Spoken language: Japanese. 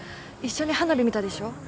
一緒に花火見たでしょ？